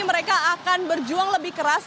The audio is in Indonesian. mereka akan berjuang lebih keras